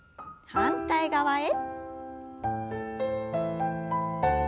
反対側へ。